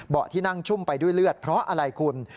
ที่นั่งชุ่มไปด้วยเลือดเพราะอะไรคุณ